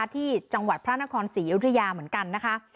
ที่จังหวัดพระนครศรีอยุธยาเหมือนกันนะคะ